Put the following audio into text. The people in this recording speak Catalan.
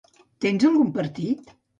Tens algun partit?